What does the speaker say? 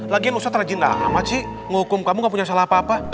lagian ustad rajin amat sih ngukum kamu gak punya salah apa apa